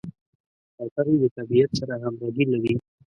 کوترې د طبیعت سره همغږي لري.